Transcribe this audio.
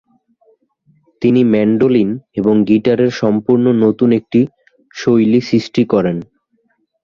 তিনি ম্যান্ডোলিন এবং গিটারের সম্পূর্ণ নতুন একটি শৈলী সৃষ্টি করেন।